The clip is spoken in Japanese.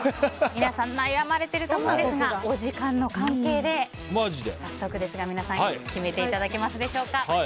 皆さん悩まれていると思いますがお時間の関係で早速ですが決めていただけますでしょうか。